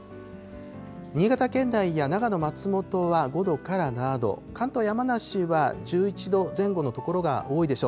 新潟県内や長野、松本は５度から６度、関東、山梨は１１度前後の所が多いでしょう。